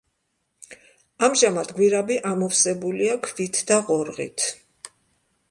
ამჟამად გვირაბი ამოვსებულია ქვით და ღორღით.